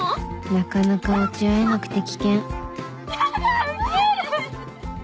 なかなか落ち合えなくて危険ヤダウケる！